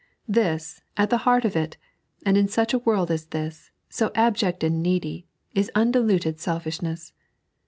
Thia, at the heart of it, and in such a worid as this, so abject and needy, is undiluted selfish ness.